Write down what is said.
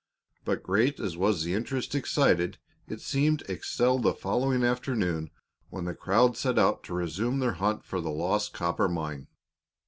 But great as was the interest excited, it seemed excelled the following afternoon when the crowd set out to resume their hunt for the lost copper mine.